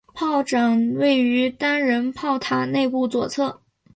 炮长位于单人炮塔内部左侧。